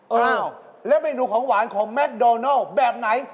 อ้าวแล้วเมนูของหวานของแมคโดนัลแบบไหน